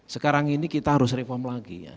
sekarang ini kita harus reform lagi ya